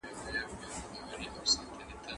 انسان بايد خپل ټول ژوند د خدای په بنده ګۍ کي تېره کړي.